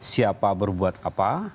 siapa berbuat apa